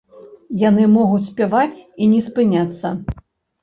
Яны могуць спяваць і не спыняцца.